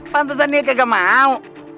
pantesan dia kagak mau